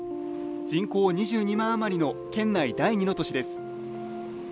人口２２万あまりの県内第２の都市です。